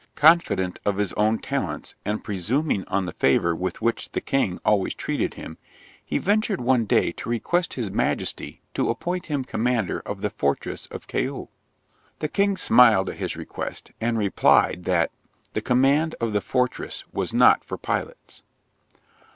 Confident of his own talents, and presuming on the favour with which the king always treated him, he ventured one day to request his Majesty to appoint him commander of the fortress of Chaul. The king smiled at his request, and replied, that "the command of the fortress was not for pilots."